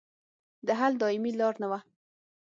د حل دایمي لار نه وه.